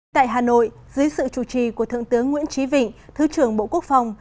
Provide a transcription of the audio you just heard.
tại hà nội dưới sự chủ trì của thượng tướng nguyễn trí vịnh thứ trưởng bộ quốc phòng